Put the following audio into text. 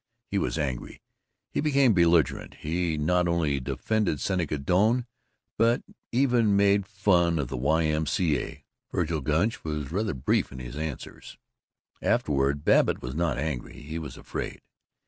He was angry. He became belligerent. He not only defended Seneca Doane but even made fun of the Y. M. C. A. Vergil Gunch was rather brief in his answers. Afterward Babbitt was not angry. He was afraid.